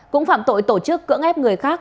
cũng phạm tội tổ chức cưỡng ép người khác